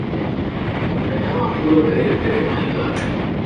me daba apuro pedirte que me ayudara.